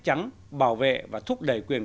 trắng bảo vệ và thúc đẩy quyền